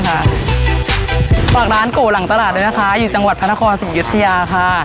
หวังร้านโกหล่างตลาดด้วยนะคะอยู่จังหวัดพนธครศุกีศริยาค่ะ